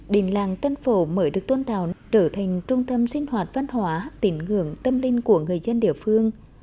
đình làng tân phổ mới được tôn tạo trở thành trung tâm sinh hoạt văn hóa tín ngưỡng tâm linh của người dân địa phương